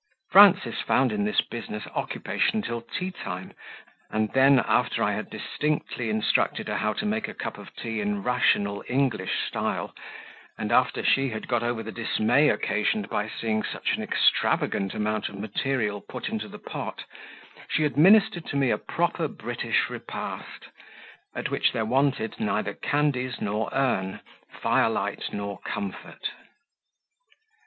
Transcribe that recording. Frances found in this business occupation till tea time, and then, after I had distinctly instructed her how to make a cup of tea in rational English style, and after she had got over the dismay occasioned by seeing such an extravagant amount of material put into the pot, she administered to me a proper British repast, at which there wanted neither candles nor urn, firelight nor comfort.